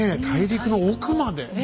大陸の奥まで。